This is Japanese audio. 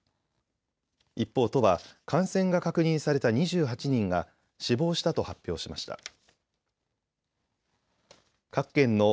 一方、都は感染が確認された２８人が死亡したと発表しました。